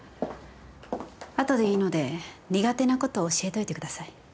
後でいいので苦手なことを教えといてください。